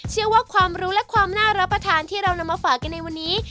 เชื่อว่าความรู้และความน่ารับประทานที่เรานำมาฝากกันในวันนี้